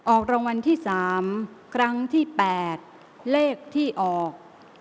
ออกรางวัลที่๓ครั้งที่๘เลขที่ออก